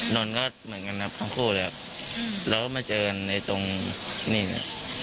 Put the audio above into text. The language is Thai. อนก็เหมือนกันนะครับทั้งคู่เลยแล้วมาเจอกันในตรงนี้นะ